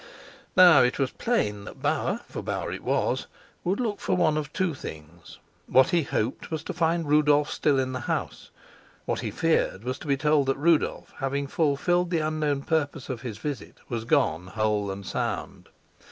Now, it was plain that Bauer for Bauer it was would look for one of two things: what he hoped was to find Rudolf still in the house, what he feared was to be told that Rudolf, having fulfilled the unknown purpose of his visit, was gone whole and sound.